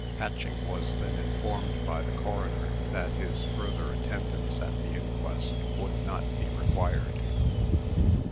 Patching was then informed by the coroner that his further attendance at the inquest would not be required.